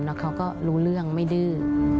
แล้วเขาก็รู้เรื่องไม่ดื้อ